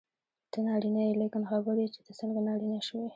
ته نارینه یې لیکن خبر یې چې ته څنګه نارینه شوې.